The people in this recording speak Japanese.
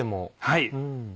はい。